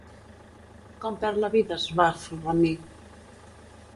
Com perd la vida Svafrlami?